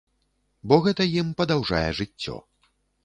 Бо гэта ім падаўжае жыццё.